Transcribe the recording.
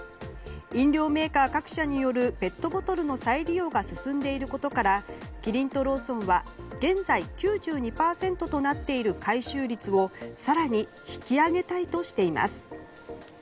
飲料メーカー各社によるペットボトルの再利用が進んでいることからキリンとローソンは現在、９２％となっている回収率を更に引き上げたいとしています。